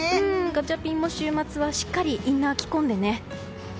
ガチャピンも週末はしっかりインナー着込んでね。